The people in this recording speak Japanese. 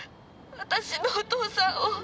私のお父さんを。